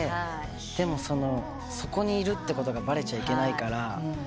でもそこにいるってことがバレちゃいけないからホテルから。